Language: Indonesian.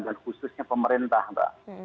dan khususnya pemerintah mbak